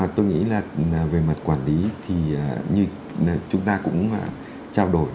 tôi nghĩ là về mặt quản lý thì như chúng ta cũng trao đổi